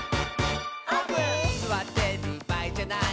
「すわってるばあいじゃない」